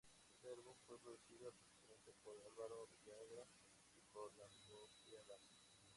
Este álbum, fue producido artísticamente por Álvaro Villagra y por la propia banda.